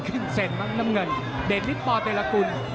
ครึ่งเซ็นน้ำเงินเด็ดนิดป่อเตรียร์ละกุล